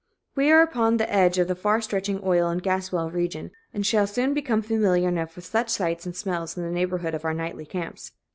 We are upon the edge of the far stretching oil and gas well region, and shall soon become familiar enough with such sights and smells in the neighborhood of our nightly camps.